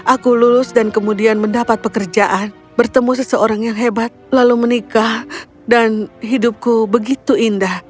aku lulus dan kemudian mendapat pekerjaan bertemu seseorang yang hebat lalu menikah dan hidupku begitu indah